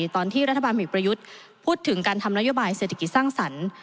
ตอนที่รัฐบาลมีประยุทธ์พูดถึงการทำนโยบายเศรษฐกิจสร้างสรรค์